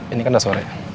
ini kan udah sore